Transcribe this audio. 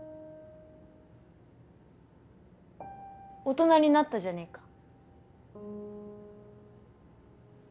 大人になったじゃねえか。